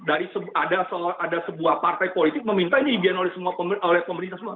dari ada sebuah partai politik meminta ini izin oleh pemerintah semua